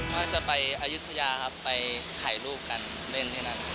มักจะไปอายุทยาครับไปถ่ายรูปกันเล่นที่นั่น